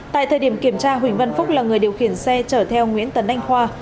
tại thời điểm kiểm tra huỳnh văn phúc là người điều khiển xe chở theo nguyễn tấn anh khoa